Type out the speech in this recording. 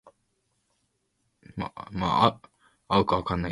Aston Martin also stiffened the suspension and now uses Bilstein dampers.